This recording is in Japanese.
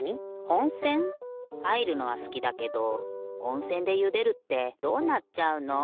おんせん？はいるのはすきだけどおんせんでゆでるってどうなっちゃうの？